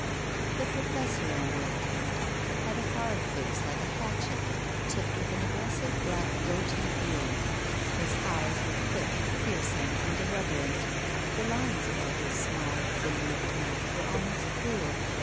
The Pro fessor, on the other hand, had a hard face like a hatchet, tipped with an aggressive black goatee beard. His eyes were quick, piercing and irrev erent. The lines about his small, thin lipped mouth were almost cruel.